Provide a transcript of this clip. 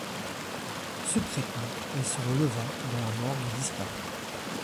Secrètement, elle se releva dans la morgue et disparut.